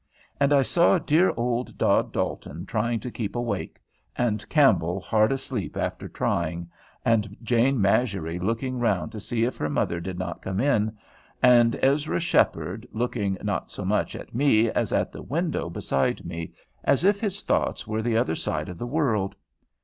And I saw dear old Dod Dalton trying to keep awake, and Campbell hard asleep after trying, and Jane Masury looking round to see if her mother did not come in; and Ezra Sheppard, looking, not so much at me, as at the window beside me, as if his thoughts were the other side of the world.